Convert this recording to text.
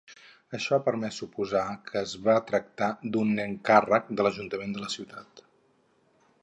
Això ha permès suposar que es va tractar d'un encàrrec de l'Ajuntament de la ciutat.